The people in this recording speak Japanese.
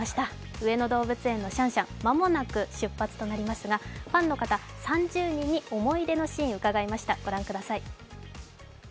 上野動物園のシャンシャン間もなく出発となりますがファンの方３０人に思い出のシーンを伺いました。